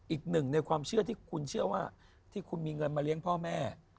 อีกหนึ่งในความเชื่อที่คุณเชื่อว่าที่คุณมีเงินมาเลี้ยงพ่อแม่